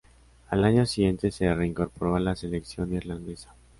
Al año siguiente se reincorporó a la selección irlandesa.